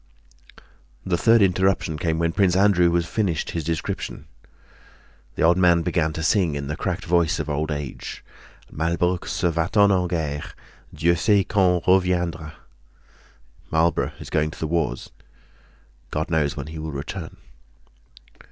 The third interruption came when Prince Andrew was finishing his description. The old man began to sing, in the cracked voice of old age: "Malbrook s'en va t en guerre. Dieu sait quand reviendra." "Marlborough is going to the wars; God knows when he'll return."